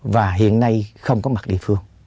và hiện nay không có mặt địa phương